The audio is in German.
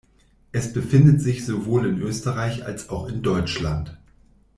Es befindet sich sowohl in Österreich als auch in Deutschland.